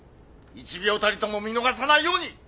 １秒たりとも見逃さないように！